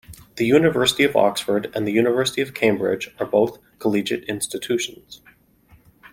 The University of Oxford and the University of Cambridge are both collegiate institutions